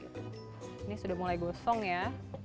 ini sudah mulai gosong ya